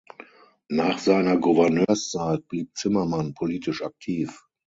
Nach seiner Gouverneurszeit blieb Zimmerman politisch aktiv.